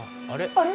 あれ？